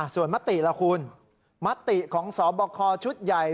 ส่วนมัตติล่ะคุณมัตติของสอบบอกคอชุดใหญ่